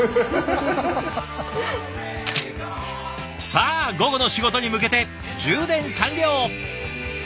さあ午後の仕事に向けて充電完了。